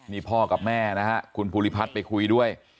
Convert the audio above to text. นี่พ่อกับแม่นะฮะคุณภูริพัฒน์ไปคุยด้วย